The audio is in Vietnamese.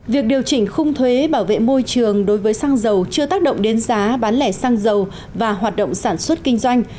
việc điều chỉnh khung thuế bảo vệ môi trường đối với xăng dầu chưa tác động đến giá bán lẻ xăng dầu và hoạt động sản xuất kinh doanh